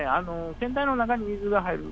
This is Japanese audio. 船体の中に水が入る。